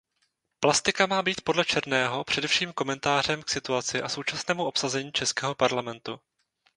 Plastika má být podle Černého především komentářem k situaci a současnému obsazení českého parlamentu.